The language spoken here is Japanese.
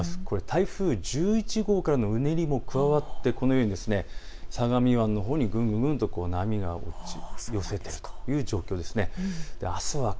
台風１１号からのうねりも加わってこのように相模湾のほうに波が寄せているという状況です。